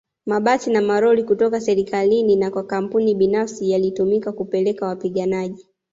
Mabasi na malori kutoka serikalini na kwa kampuni binafsi yalitumika kupeleka wapiganaji